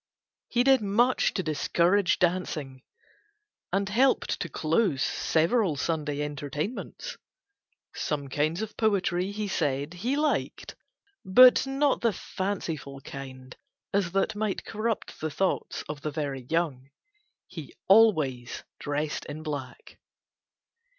He did much to discourage dancing and helped to close several Sunday entertainments. Some kinds of poetry, he said, he liked, but not the fanciful kind as that might corrupt the thoughts of the very young. He always dressed in black.